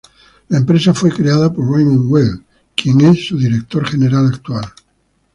La empresa fue creada por Raymond Weil, quien es su director general actual.